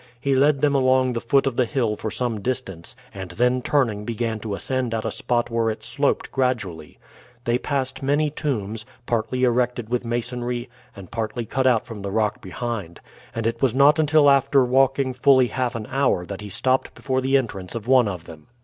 He led them along the foot of the hill for some distance, and then turning began to ascend at a spot where it sloped gradually. They passed many tombs, partly erected with masonry and partly cut out from the rock behind; and it was not until after walking fully half an hour that he stopped before the entrance of one of them.